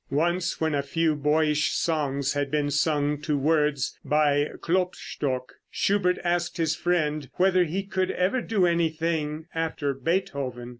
Once when a few boyish songs had been sung to words by Klopstock, Schubert asked his friend whether he could ever do anything after Beethoven.